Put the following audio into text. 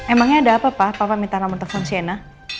emangnya ada apa pak papa minta nomer telepon sienna